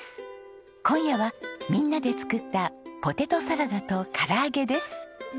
今夜はみんなで作ったポテトサラダと唐揚げです。